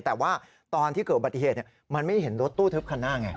แต่ว่าตอนที่เกิดอุบัติเหตุมันไม่เห็นรถตู้ทึบคันหน้าไง